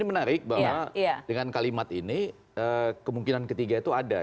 ini menarik bahwa dengan kalimat ini kemungkinan ketiga itu ada